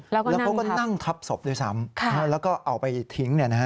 แล้วเขาก็นั่งทับศพด้วยซ้ำแล้วก็เอาไปทิ้ง